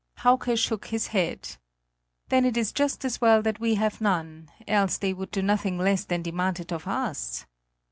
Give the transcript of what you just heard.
Hauke shook his head: "Then it is just as well that we have none; else they would do nothing less than demand it of us."